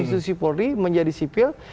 institusi polri menjadi sipil